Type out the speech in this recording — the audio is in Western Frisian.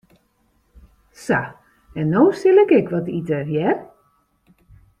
Sa, en no sil ik ek wat ite, hear.